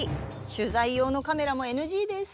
取材用のカメラもＮＧです。